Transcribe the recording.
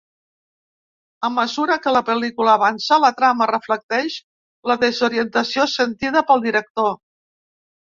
A mesura que la pel·lícula avança, la trama reflecteix la desorientació sentida pel director.